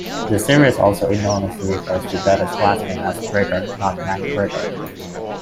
The series also erroneously refers to Betty's last name as "Bricker," not "McBricker.